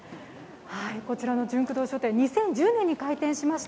こちらのジュンク堂書店、２０１０年に開店しました。